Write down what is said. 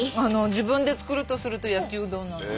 自分で作るとすると焼うどんなんです。